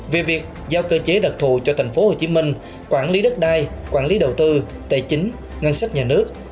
về việc giao cơ chế đặc thụ cho thành phố hồ chí minh quản lý đất đai quản lý đầu tư tài chính ngân sách nhà nước